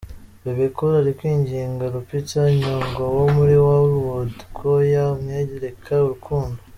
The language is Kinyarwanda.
Bebe Cool ari kwingiga Lupita Nyong’o wo muri Hollywood ko ya yamwereka urukundo.